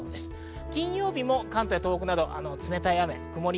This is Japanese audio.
金曜日も関東や東北などでは冷たい雨。